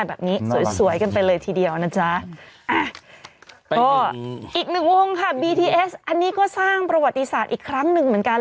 อันนี้ก็สร้างประวัติศาสตร์อีกครั้งหนึ่งเหมือนกัน